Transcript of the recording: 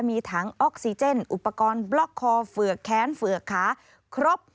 มีถังออกซิเจนอุปกรณ์บล็อกคอเฝือกแค้นเฝือกขาครบ